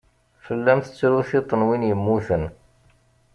Fell-am tettru tiṭ n win yemmuten.